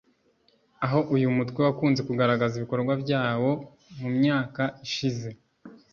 aho uyu mutwe wakunze kugaragaza ibikorwa byawo mu myaka ishize